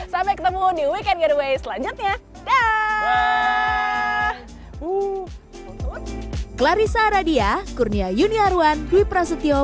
sampai ketemu di weekend getaway selanjutnya